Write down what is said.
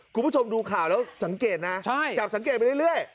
คุณผู้ชมดูข่าวแล้วสังเกตนะจับสังเกตไปเรื่อย